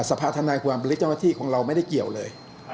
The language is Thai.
สรรพาธนาความเป็นเรื่องเจ้าหน้าที่ของเราไม่ได้เกี่ยวเลย